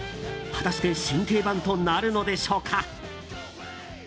果たして新定番となるのでしょうか。